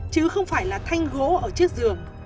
chứ không phải là thanh gỗ ở trước giường